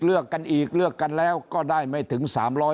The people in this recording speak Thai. เลือกกันอีกเลือกกันแล้วก็ได้ไม่ถึง๓๐๐